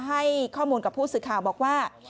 ให้ข้อมูลกับผู้สื่อข่าวบอกว่า